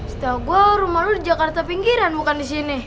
setelah gue rumah lo di jakarta pinggiran bukan disini